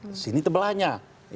di sini tebelahnya